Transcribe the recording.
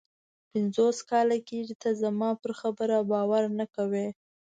پنځوس کاله کېږي ته زما پر خبره باور نه کوې.